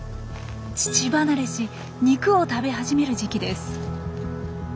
乳離れし肉を食べ始める時期です。